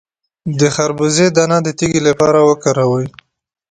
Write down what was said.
د خربوزې دانه د تیږې لپاره وکاروئ